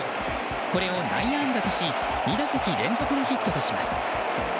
これを内野安打とし２打席連続のヒットとします。